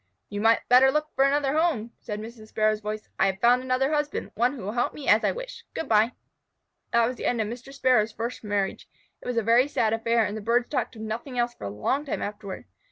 "You might better look for another home," said Mrs. Sparrow's voice. "I have found another husband, one who will help me as I wish. Good by." That was the ending of Mr. Sparrow's first marriage. It was a very sad affair, and the birds talked of nothing else for a long time afterward.